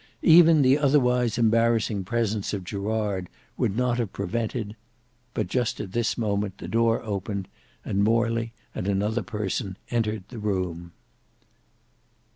Even the otherwise embarrassing presence of Gerard would not have prevented—but just at this moment the door opened, and Morley and another person entered the room.